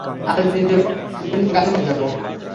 আজ নিজের জন্য গান বাজাবো?